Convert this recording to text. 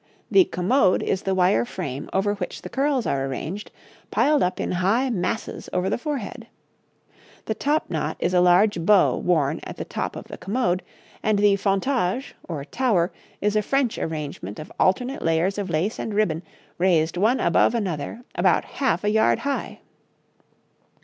The 'commode' is the wire frame over which the curls are arranged, piled up in high masses over the forehead. The 'top not' is a large bow worn at the top of the commode; and the 'fontage' or 'tower' is a French arrangement of alternate layers of lace and ribbon raised one above another about half a yard high.